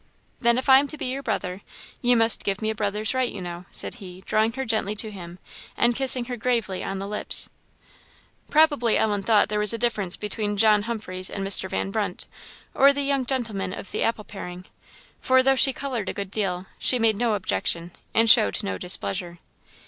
"Then, if I am to be your brother, you must give me a brother's right, you know," said he, drawing her gently to him, and kissing her gravely on the lips. Probably Ellen thought there was a difference between John Humphreys and Mr. Van Brunt, or the young gentlemen of the apple paring; for, though she coloured a good deal, she made no objection, and showed no displeasure.